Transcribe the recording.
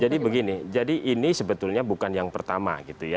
jadi begini ini sebetulnya bukan yang pertama